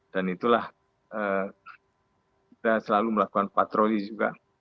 dan itulah kita selalu melakukan patroli juga